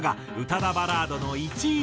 「名作バラードの１位」